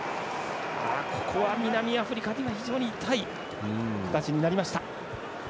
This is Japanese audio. ここは南アフリカにとって非常に痛い形になりました。